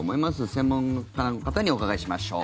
専門家の方にお伺いしましょう。